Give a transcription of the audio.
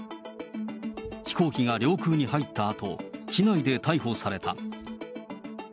飛行機が領空に入ったあと、機内で逮捕された。